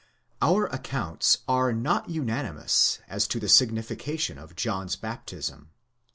Our accounts are not unanimous as to the signification of John's baptism.